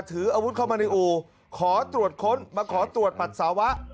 ถืออาวุธเข้ามาในอู่ขอตรวจค้นมาขอตรวจปัสสาวะ